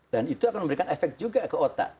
dan itu akan memberikan efek juga ke otak